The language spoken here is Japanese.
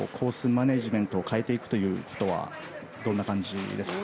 マネジメントを変えていくということはどんな感じですか。